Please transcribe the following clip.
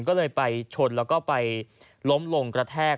ก็เลยไปชนแล้วก็ไปล้มลงกระแทก